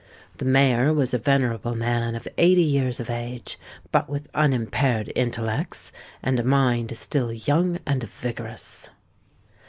The mayor was a venerable man of eighty years of age, but with unimpaired intellects, and a mind still young and vigorous.